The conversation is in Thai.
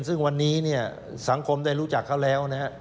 ซึ่งวันนี้เนี่ยสังคมได้รู้จักเขาแล้วนะฮะ